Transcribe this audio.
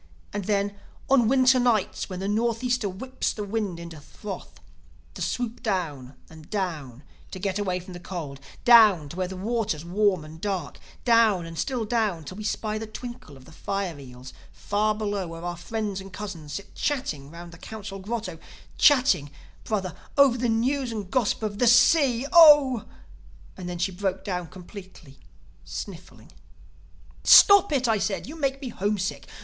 —And then, on winter nights when the Northeaster whips the water into froth, to swoop down and down to get away from the cold, down to where the water's warm and dark, down and still down, till we spy the twinkle of the fire eels far below where our friends and cousins sit chatting round the Council Grotto—chatting, Brother, over the news and gossip of the Sea!... Oh—' "And then she broke down completely, sniffling. "'Stop it!' I said. 'You make me homesick.